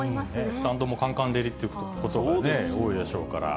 スタンドもかんかん照りっていうことが多いでしょうから。